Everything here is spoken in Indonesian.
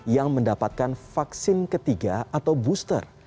yang mendapatkan vaksin ketiga atau booster